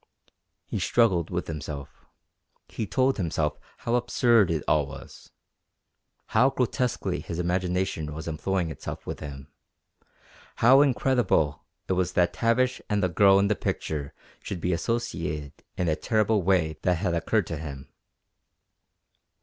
He struggled with himself. He told himself how absurd it all was, how grotesquely his imagination was employing itself with him how incredible it was that Tavish and the girl in the picture should be associated in that terrible way that had occurred to him.